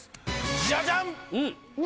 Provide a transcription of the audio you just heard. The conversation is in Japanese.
ジャジャン何？